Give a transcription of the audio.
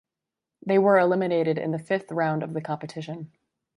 They were eliminated in the fifth round of the competition.